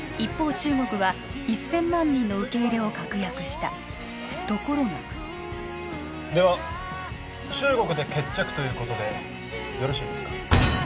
中国は１０００万人の受け入れを確約したところがでは中国で決着ということでよろしいですか？